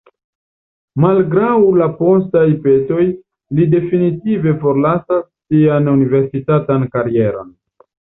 Malgraŭ la postaj petoj, li definitive forlasas sian universitatan karieron.